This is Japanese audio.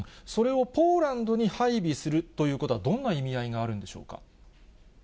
それをポーランドに配備するということは、どんな意味合いがあるんでしょうか。